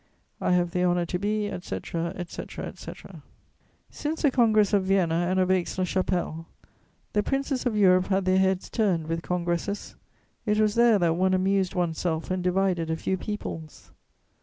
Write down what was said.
"I have the honour to be, etc., etc., etc." Since the Congress of Vienna and of Aix la Chapelle, the princes of Europe had their heads turned with congresses: it was there that one amused one's self and divided a few peoples.